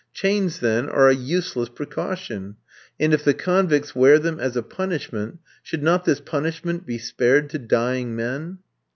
Chains, then, are a useless precaution; and if the convicts wear them as a punishment, should not this punishment be spared to dying men?